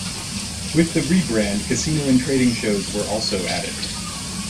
With the rebrand, casino and trading shows were also added.